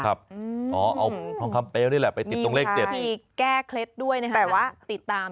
เอาทองคำเปลวนี่แหละไปติดตรงเลข๗มีไหวพิพย์แก้เคล็ดด้วยแบบว่าติดตาม